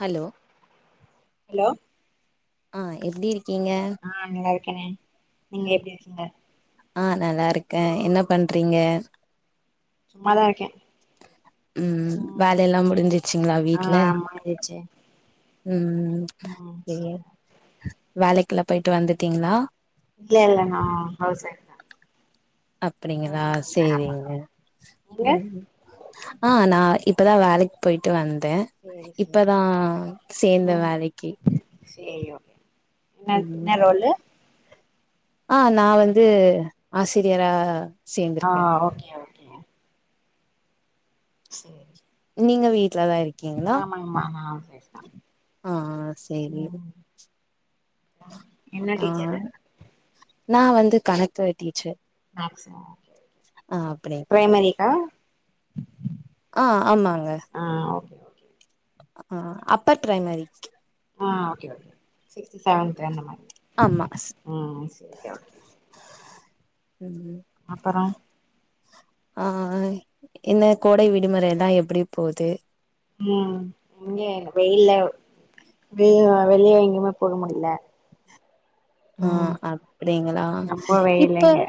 hello hello ஆ எப்டி இருக்கீங்க ஆ நல்லா இருக்கனே நீங்க எப்டி இருக்கீங்க ஆ நல்லாருக்கெ என்ன பண்றீங்க சும்மாதார்க்கே உம் வேலைல்லா முடிஞ்சுச்சுங்களா ஆ வீட்ல ஆமா எந்திரிச்சு உம் ம் சரி வேலைக்கெல்லா போயிட்டு வந்துட்டீங்ளா இல்ல இல்ல நா ஹவுஸ் ஒய்ஃப் தா அப்படிங்களா ம் ஆமா சேரிங்க நீங்க உம் ஆ நா இப்பதா வேலைக்கி போயிட்டு வந்தெ சேரி சேரி இப்பதா சேந்த ம் வேலக்கி சேரி ஓக்கே என்ன ம் என்ன ரோலு ஆ நா வந்து ஆசிரியரா ஆ சேந்துர்க்கெ ஓகே ஓக் சேரி நீங்க வீட்லதா இருக் ஆமாங்மா நா ஹவுஸ் ஒயிஃப் தா ம் சேரி ம் என்ன ஆ டீச்சரு நா வந்து கணக்கு டீச்ச மேக்ஸா ஓகே ஓகே பிரைமரிகா அ ஆமாங்க ஆ ஓகே ஓகே அ அப்பர் ம் பிரைமரிக்கு ஆ ஓகே ஓகே சிக்ஸ்த் செவன்த் அந்த மாரி ஆமா சி ம் சேரி ஓகே ம் அப்பற ஆ என்ன கோடை விடுமுறை எல்லா எப்டி போது ம் இங்க வெயில்ல வெ வெளிய எங்கயுமே போக முடில ம் அப்டிங்களா ரொம்ப வெயில் இப்ப இங்க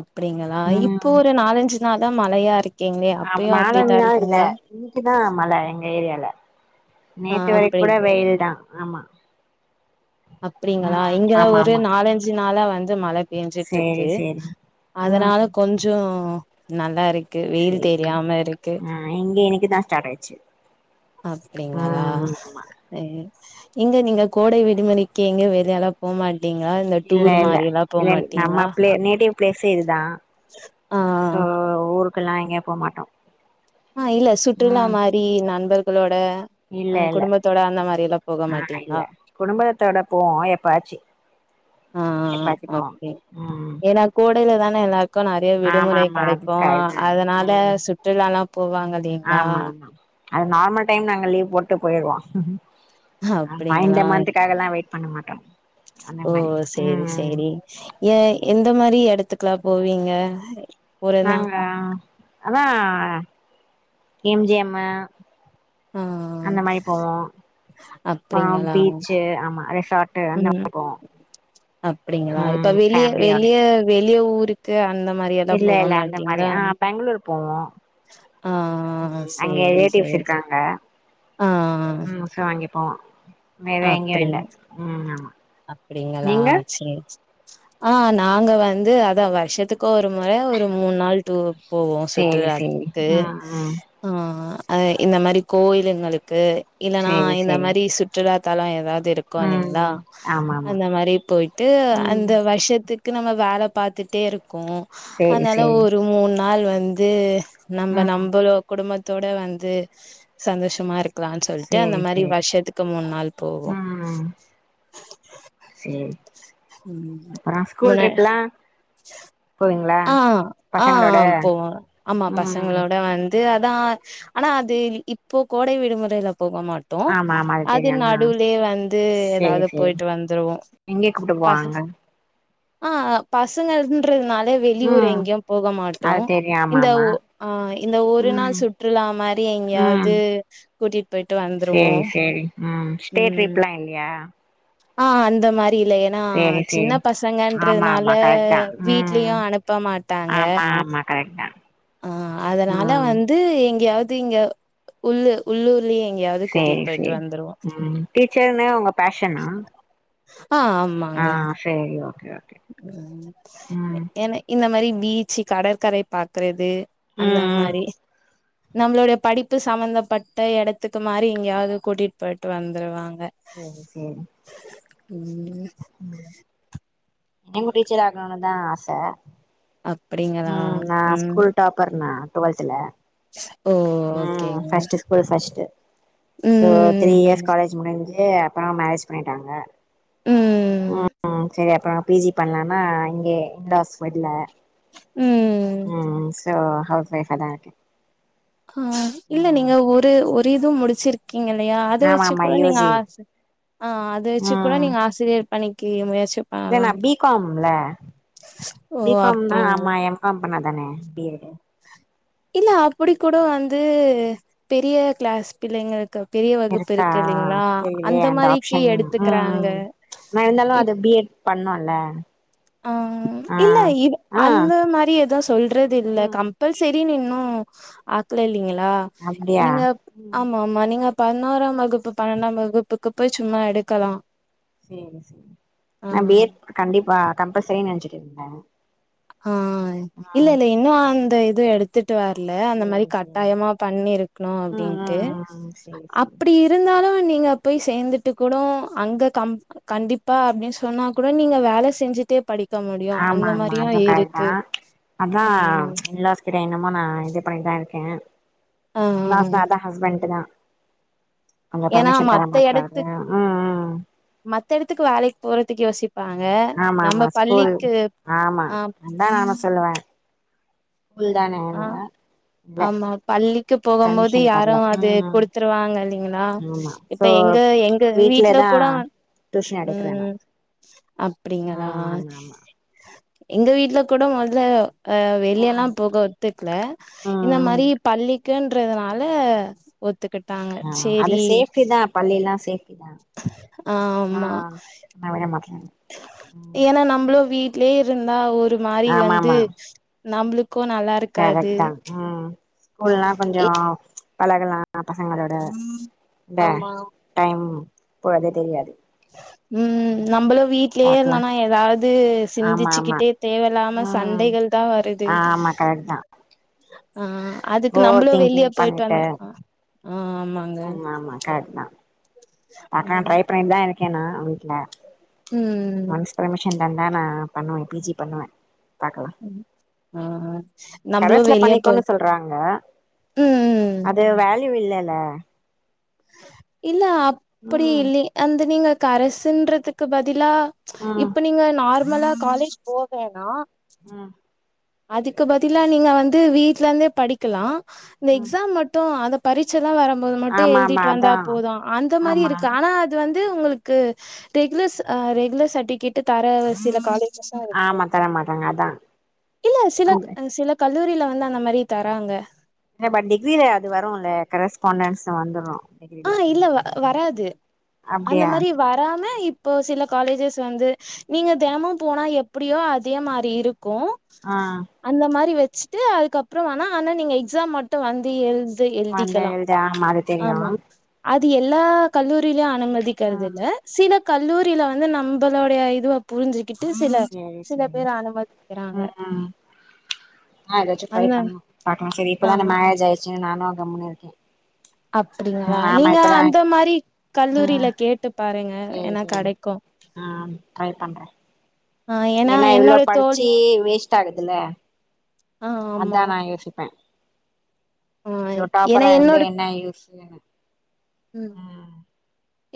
அப்டிங்களா இப்போ ம் ஒரு நாலஞ்சு நாளா மழையா இருக் ஏங்க ஆமா அப்பயு நாலஞ்சு அப்டிதா நாள் இல்ல இருக்குங்ளா இன்னைக்குதா மழ எங்க ஏரியால ஆ நேத்து வரைக் அப்டி கூட வெயில் தா ஆமா அப்படிங்களா ம் இங்க ஆமா ஒரு ஆமா நாலஞ்சு நாளா வந்து மழத் சேரி பேஞ்சுட்ருக்கு சேரி அதனால ம் கொஞ்சோ நல்லா இருக் சேரி சேரி ஆ இங்க இன்னிக்கி தா ஸ்டாட் ஆயிச்சு அப்படிங்களா ம் ஆமா ச இங்க நீங்க கோடை விடுமுறைக்கு எங்க வெலியெல்லா போ மாட் டீங்களா இந்த டூர் மாரியெல்லா போமாட்டீங்களா ஏ நேட்டிவ் பிளேஸே இதுதா ஆ ஆ சோ ஊருக்குல்லா எங்கேயு போ மாட்டோ ஆ இல்ல சுற்றுலா ம் மாரி நண்பர்களோட இல்ல அ இல்ல குடும்பத்தோட அந்த மாரில்லா போக மாட்டீங்களா குடும்பகத்தோட போவோ எப்பாச்சு ஆ எப்பாச்சு போவோ ஓகே ம் ஏனா கோடையில தான எல்லாருக்கு நெறைய ஆமா விடுமுறை ஆமா கெடைக்கு அது போவோ கரெக்ட் அதனால சுற்றுலால்லா போவாங்க இல்லீங்களா ஆமாங்மா அது நார்மல் டைம் நாங்க லீவ் போட்டு போயிருவோ மை இந்த அப்டிங்களா மந்த்க்காகல்லா வெயிட் பண்ண மாட்டோ அந்த ஓ மாரி சேரி ம் சேரி ஏ எந்த மாரி எடத்துக்கெல்லா போவீங்க போறன்னா நாங்க அதா எம்ஜிம்மு ஆ அந்த மாரி போவோ அப்றோ அப்டிங்களா பீச்சு ஆமா ரேசாட்டு ம் அப்டிங்களா இப்ப ம் வெளிய ஃபேமிலியோட வெளிய வெளிய ஊருக் க்கு அந்த மாரியல்லா இல்ல போக இல்ல அந்த மாரி மாட்டீகளா ஆ பெங்களூர் போவோ ஆ ம் அங்க சேரி ரிலேட்டிவ்ஸ் சேரி ஆ சிவாங்கி போவோ வேற எங்கயு இல்ல அப்டிங் ம் ஆமா அப்டிங்களா நீங்க சேரி சே ஆ நாங்க வந்து அதா வருஷத்துக்கு ஒரு முற ஒரு மூண் நாள் டூர் போவோ சேரி சேரி சுற்றுராத்க்கு ம் ம் ஆ அ இந்த மாரி கோயிலுங்களுக்கு இல்லனா சேரி இந்த சேரி மாரி சுட் சுற்றுலாத்தலோ ஏதாவது இருக்கு ம் இல்லங்களா ம் ஆமா ஆமா அந்த மாரி போயிட்டு ம் அந்த வருஷத்துக் க்கு நம்ம வேல பாத்துட்டே இருக்கோ சேரி அதனால சேரி ஒரு மூண் நாள் வந்து நம்ப ம் நம்பளோ குடும்பத்தோட வந்து சந்தோஷமா இருக் க்கலான் சொல்ட்டு அந்த சேரி மாரி சேரி வர்ஷத்துக்கு மூணு நாள் போவோ ம் சேரி ம் அப்புறோ ஸ்கூல் முணு ட்ரிப்லா போவீங்களா ஆ ஆ ஆ பசங்களோட போவோ ஆமா ம் பசங்களோட வந் து அதா ஆனா அது இப்போ கோடை விடுமுறைல போக மாட் டோ ஆமா ஆமா அது தெரியு ஆ நடுவுலே வந்து எதாவ்து போயிட்டு வந்துருவோ எங்கே கூப்புட்டு பச போவாங்க ஆ பசங்கன்றதுனால வெளியூர் ம் எங்கயு போக மாட்டோ அது தெரியு ஆமா இந்த ஆமா ஒ ஆ இந்த ஒரு ம் நாள் சுற்றுலா மாரி ம் எங்கயாவ்து கூட்டிட்டு போயிட்டு வந்துருவோ சேரி சேரி ம் ஸ்டே ம் ட்ரிப்லா இல்லயா ஆ அந்த மாரி இல்லயே ஆ சேரி சின்ன சேரி ஆமா ஆமா பசங்கன்றதுனால கரெக்ட் தா வீட்லயு அனுப்ப மாட்டாங்க கரெக்டா ஆ அதனால வந் ந்து எங்கெயாவ்து இங்க உள் உள்ளூர்லயே எங்கெயாவ்து கூட்டிட்டு போயிட்டு வந்துருவோ டீச்சருமே உங்க பேஷனா ஆ ஆம் ஆ சேரி ஓகே ஓக் எனக் இந்த மாரி பீச்சு கடற்கரை பாக்குறது அந்த ம் ம் மாரி நம்மளோட படிப் பு சம்மந்தப்பட்ட எடத்துக்கு மாரி எங்கெயாவ்து கூட்டிட்டு போயிட்டு வந்துருவாங்க சேரி சேரி ம் ம் நீங்க டீச்சர் ஆகணுனு தா ஆச அப்டிங்களா ம் நா ம் ஸ்கூல் டாப்பர் நா டுவெல்த்துல [inaudible] ம் ஓகேங்க first school first so three ம் இயர்ஸ் காலேஜ் முடிஞ்சு அப்பறோ மேரேஜ் பண்ணிட்டாங்க ம் ம் சேரி அப்பறோ பி ஜி பண்லானா இங்கே என்னோட ஹஸ் விட்ல ம் ம் ம் சோ ஹவுஸ் வைஃபா தா இருக்கே ஆ இல்ல ம் நீங்க ஒரு ஒரு இதுவு முடிச்சிருக் கீங்க இல்லையா அத ஆமா வெச்சு ஆமா கூட யூ நீங்க ஜி ஆசு ஆ அத வெச்சு கூட ம் நீங்க ஆசிரியர் பணிக்கு முயற்சிப் இல்ல நா பி காம் ல ஓ பி காம் னா அப்டிங்களா ஆமா எம் காம் பணணா தானே பி ஏட் இல்ல அப்புடி கூட வந்து பெரிய கிளாஸ் பிள்ளைங்களுக்கு பெரிய வகுப்பு இருக்கா இருக்கு இல்லைங்ளா தெரியலையே அந்த மாரிக்கு ஆப்ஷன் ம் எடுத்துக்குறாங்க ம் நா இருந்தாலு அது பி ஏட் பண்ணுல்ல ஆ ஆ இல்ல இது ஆ அந்த மாரி ஏதுவு சொல்றதில்ல ம் கம் ம்பல்செரினு இன்னு ஆக்கல இல்லைங்களா அப்டியா நீங்க ம் ஆமா ஆமா நீங்க பதினோறாம் வகுப்பு பன்னெண்டாம் வகுப்புக்கு போய் சும்மா எடுக்கலா சேரி சேரி ஆ நான் பி ஏட் கண்டிப்பா கம்பல்செரின் நெனச்சிட்ருந்தே ஆ இல்ல இல்ல இன்னு அந்த இது எடுத் த்துட்டு வரல அந்த மரி சேரி சேரி கட்டாயமா பண்ணிருக்கணு ம் அப்டின்ட்டு ம் ம் சேரி சேரி அப்புடி இருந்தாலு நீங்க போய் சேந்துட்டு கூடோ அங்க கம் கண்டிப்பா அப்டின்னு சொன்னா கூட நீங்க வேல செஞ்சட்டே படிக்க முடியு ஆமா அந்த மாரி ஆமா அதுவு கரெக்ட் தா அதா இல்லாஸ் கிட்டயு என்னமோ நா இது பண்ணிட்தாருக் கே ஆ இல்லாஸ்தா அதா ஹஸ்பண்ட் தா அவுங்க ஏன்னா பெர்மிஷன் தர மத்த மாட்றாரு எடத்துக் ம் ம் மத்த எடத்துக்கு வேலைக் போறத்துக்கு யோசிப் பாங்க ஆமா ஆமா நம்ம ஸ்கூல் பள்ளிக்கு ஆமா ஆ அதா நானு சொல்லுவே ஸ்கூல் தான அ ஆ ஆமா பள்ளிக்கி போகும் போது பர்மிஷன் யாரு தரல அது ம் குடுத்துருவாங்க இல்லைங்களா ஆமா இப்ப சோ எங்க எங்க வீட்ல வீட்லதா கூடோ டியூஷன் எடுக்குறேன்னா அப்பிடிங்களா ஆமா எங்க வீட்ல கூடோ மொத்ல அ ஆமா வெளியெல்லா போக ஒத்துக்கல இந்த ம் ம் மாரி பள்ளிக்குன்றதுனால ஒத்துக்கிட்டாங்க ஆ அது சேரி சேஃப்டி தா பள்ளில்லா சேஃப்டி தா ஆமா ஏ வேக மாட்ல ஏன்னா நம்பளோ வீட்லே இருந்தா ஒரு மாரி ஆமா வந்து ஆமா நம்புளுக்கு நல்லாருக் கரெக்ட் தா ம் ஸ்கூல்லா கொஞ்சோ எ பழகலா அ பசங்களோட இந்த ஆமா டைம் போறதே தெரியாது ம் நம்பளு வீட்லயே பாக்கலா இருந்தோமன்னா ஏதாவது ஆமா ஆமா சிந்திச்சுக்கிட்டே தேவல்லாம ம் சண்டைகள் தா வருது ஆமா கரெக்ட் தா ஆ அதுக்கு ஓவர் நம்பளு வெளியே திங்கிங் போயிட்டு பண்ணிட்டு வந்தா ஆ ஆ ஆமா ம் ஆமா கரெக்ட் தா பாக்கலா ம் ட்ரை பண்ணிட்தா இருக்கே நா வீட்ல ம் பர்மிஷன் தந்தா நா பண்ணுவே பி ஜி பண்ணுவே பாக்கலா நம்மளு கரஸ்ல வெளிய பண்ணிக்கோன்னு போயிட் ம் ம் இது வேல்யூ இல்லல்ல இல்ல அப்புடி ம் இல்லை அந்த நீங்க கரஸுன்றதுக்கு பதிலா ம் இப்ப நீங்க நார்மலா காலேஜ் போவேன்னா ம் அதுக்கு பதிலா நீங்க வந்து வீடலருந்தே படிக்கலா இந்த ம் எக்ஸாம் மட்டு அத பரீட்சல்லா வரும்போது மட்டு ஆமா ஆமா எழுதிட்டு வந்தா அதா போது அந்த மாரி ஆமா இருக்கு ஆனா அது வந்து உங்களுக்கு ரெகுலர் ச ரெகுலர் சர்டிபிகேட் தர சில காலேஜ் ஆமா தரமாட்டாங்க அதா இல்ல சில அந்த சில கல்லூரியில வந்து அந்த மாரி தராங்க அ பட் டிகிரில அது வருல்ல கரஸ்பாண்டன்ஸ் வந்துரு ஆ டிகிரில இல்ல வ வராது அந்த அப்டியா மாரி வராம இப்போ சில காலேஜஸ் வந்து நீங்க தெனமும் போனா எப்புடியோ அதே மாரி இருக்கு ஆ அந்த மாரி வச்சுட்டு அதுக்கப்புறோ வேண ஆனா நீங்க எக்ஸாம் மட்டு வந்து எழுத் து வந்து எழுதிக்கலா எழுத ஆமா அது தெரியு ஆமா அது எல்லா கல்லூரிலியு அனுமதிக்கிறது ம் இல்ல சில கல்லூரில வந்து நம்பளோடைய இதுவ புரிஞ்சுக் கிட்டு சில சேரி சில சேரி பேர் அனுமதிக்கிறாங்க ம் ம் ஆ ஏதாச்சும் ட்ரை அந்த பண்லாம் பாக்கலாம் சரி ஆ இப்பதான மரேஜ் ஆயிச்சு நானும் கம்முனு இருக்கேன் அப்டிங்களா நீங்க அந்த மாரி கல்லூரில ம் கேட்டு பாருங்க சேரி ஏனா சேரி கடைக்கும் ஆ ட்ரை பண்றன் ஆ ஏனா இவ்ளோ என்னோட தோழி படிச்சி வேஸ்ட் ஆகுதுல்ல ஆ அதா ஆமா நா யோசிப்பன் ஆ இவ் ஏனா டாப்பரா இருந்து என்னோட என்ன யூஸ் ம்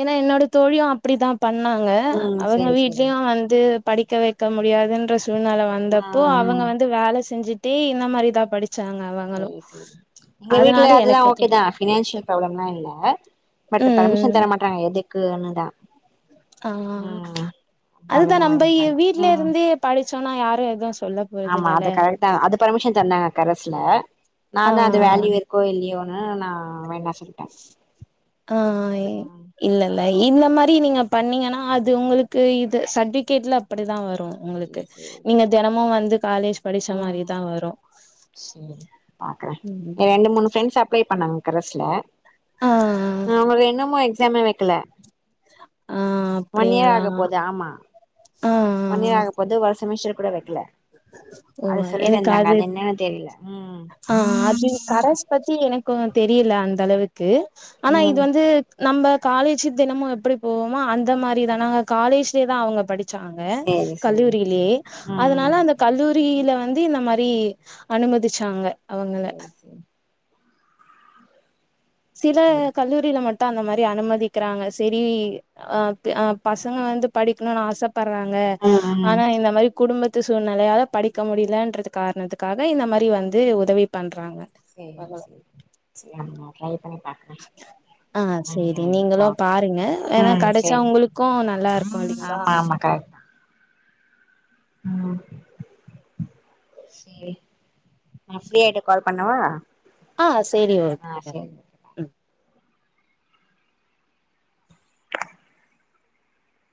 ஏனா என்னோட தோழியும் அப்டிதான் பண்ணாங்க ம் அவங்க சேரி சேரி வீட்லயும் வந்து படிக்க வெக்க முடியாதுன்ற சூழ்நெல வந்தப்போ ம் அவங்க ம் வந்து வேல செஞ்சிட்டே இந்த மாரி தான் படிச்சாங்க அவங்களு சரி சரி எங்க வீட்ல அதனால அதுலா எனக்கு ஓகே தெரியு தான் பினான்சியர் பராப்ளம்லா இல்ல பட் பர்மிஷன் ம் தர மாட்றாங்க எதுக்குன்னுதா அ ம் அதுதா அதனாலதா வர நம்பை மாட்டாங்க வீட்ல ம் இருந்தே படிச்சோனா யாரு எதுவும் சொல்ல ஆமா போறதில்லல அது கரெட் தான் அது பர்மிஷன் தந்தாங்க கரஸ்ல நா ஆ தான் அது வேல்யூ கோய்ல்யோனு நா வேண்ணா சொல்டன் அ இல்ல இல்ல இந்த மாரி நீங்க பண்ணீங்கனா அது உங்களுக்கு இது சட்பிகேட்லா அப்படிதா வரும் உங்ளுக்கு சேரி சேரி நீங்க தெனமு வந்து காலேஜ் படிச்ச ம் மாரிதா வரு செரி பாக்றன் ம் ரெண்டு மூணு ப்ரண்ட்ஸ் அப் பிளே பண்ணாங் கரஸ்ல ஆ அவ்களுக் இன்னமு எக்ஸாமே வெக்ல ஆ அப்டிங்களா போது ஆமா ஆ ஒன் இயர் ஆக போது ஒரு செமிஸ்சர் கூட வெக்ல ஓ அது சொல்லிட் எனக்கு இருந்தாங்க அது என்னன் தெரில ஆ அது கரஸ் பத்தி எனக்கோ தெரில அந்தளவுக்கு ஆனா இது ம் வந்து நம்ப காலேஜ் தினமும் எப்டி போவோமோ அந்த மாரி தா நாங்க காலேஜ்லே தா அவங்க படிச் சாங்க சேரி சேரி கல்லூரிலே ம் அதனால ம் அந்த கல்லூரியில வந்து இந்த மாரி அனுமதிச்சாங்க அவங்கள சேரி சேரி சில சேரி கல்லூரில மட் இப்ப அந்த மாரி அனுமதிக்கிறாங்க சரி அது அ பசங்க வந்து படிக்ணுனு ஆசப் பற்றாங்க ம் ம் ஆனா இந்த மாரிப் குடும்பத்து சூழ்நெலையால படிக்க முடியலன்றது காரணத்துக்காக இந்த மாரி வந்து உதவி பண்றாங்க செரி அவ்ளோ செரி செரி நம்ம ட்ரை பண்ணி பாக் ஆ சேரி நீங்களும் ஓகே பாருங்க ஏனா ம் கடைச்சா சேரி உங்ளுக்கும் நல்லாருக்கு இல்லிங்ளா ஆமா ஆமா கரெக்ட் தா ம் [inaudible] சேரி நா ஃப்ரீயாட்டு கால் பண்ணவா ஆ சேரி ஓகே ஆ சேர்ங்க ம்